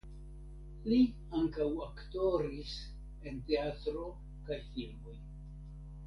Li ankaŭ aktoris en teatro kaj filmoj.